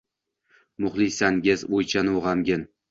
muxlisingaz — o’ychanu g’amgin